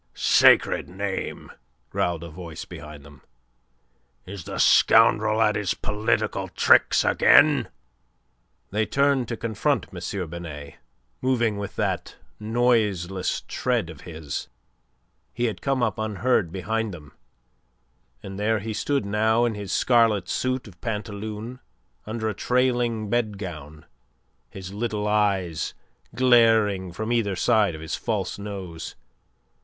"Sacred name!" growled a voice behind them. "Is the scoundrel at his political tricks again?" They turned to confront M. Binet. Moving with that noiseless tread of his, he had come up unheard behind them, and there he stood now in his scarlet suit of Pantaloon under a trailing bedgown, his little eyes glaring from either side of his false nose.